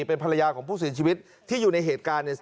เป็นภรรยาของผู้เสียชีวิตที่อยู่ในเหตุการณ์เนี่ย